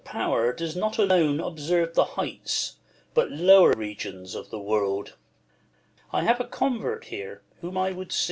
The eye of pow'r does not alone observe The heights, but lower regions of the world. I have a convert here, whom I would see.